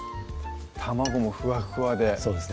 卵もふわふわでそうですね